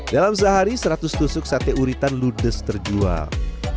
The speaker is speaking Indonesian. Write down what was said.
dalam sehari seratus tusuk sate uritan ludes terjual